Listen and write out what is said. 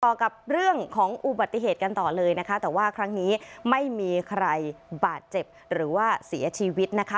ต่อกับเรื่องของอุบัติเหตุกันต่อเลยนะคะแต่ว่าครั้งนี้ไม่มีใครบาดเจ็บหรือว่าเสียชีวิตนะคะ